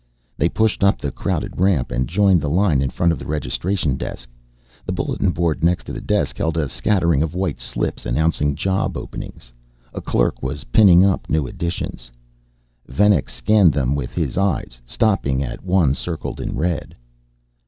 They pushed up the crowded ramp and joined the line in front of the registration desk. The bulletin board next to the desk held a scattering of white slips announcing job openings. A clerk was pinning up new additions. Venex scanned them with his eyes, stopping at one circled in red.